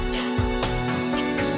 taruh di depan